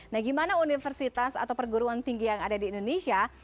nah gimana universitas atau perguruan tinggi yang ada di indonesia